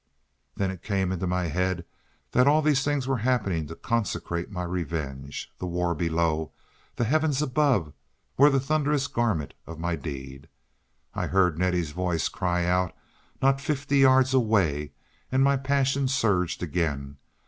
Then it came into my head that all these things were happening to consecrate my revenge! The war below, the heavens above, were the thunderous garment of my deed. I heard Nettie's voice cry out not fifty yards away, and my passion surged again.